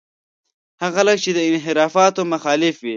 هغه خلک چې د انحرافاتو مخالف دي.